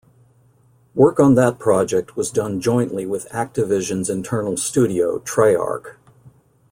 Work on that project was done jointly with Activision's internal studio, Treyarch.